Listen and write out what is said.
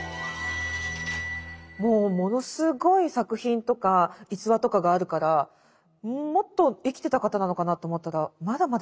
もうものすごい作品とか逸話とかがあるからもっと生きてた方なのかなと思ったらまだまだ２０代。